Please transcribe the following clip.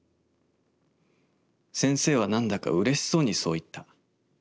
先生はなんだかうれしそうにそう言った。